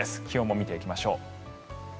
気温も見ていきましょう。